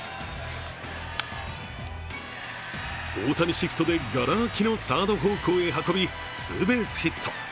大谷シフトでがら空きのサード方向へ運びツーベースヒット。